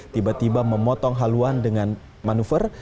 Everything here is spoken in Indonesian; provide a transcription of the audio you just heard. tiba tiba memotong haluan dengan manuver